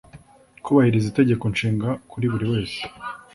kubahiriza Itegeko nshinga kuri buriwese